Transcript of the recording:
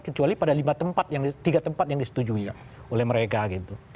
kecuali pada tiga tempat yang disetujui oleh mereka gitu